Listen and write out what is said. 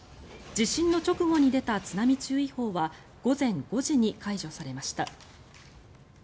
地震の直後に出た津波注意報は午前５時に解除されました。